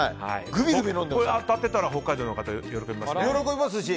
これが当たってたら北海道の方が喜びますね。